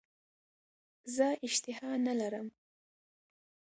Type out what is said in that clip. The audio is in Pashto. زه اشتها نه لرم .